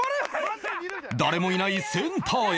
誰もいないセンターへ！